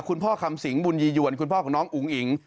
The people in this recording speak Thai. คำสิงบุญยียวนคุณพ่อของน้องอุ๋งอิ๋ง